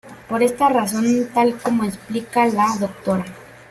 Por esta razón tal como explica la Dra.